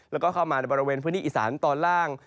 แล้วก็เข้ามาในบริเวณพื้นที่อีสานตอนล่าง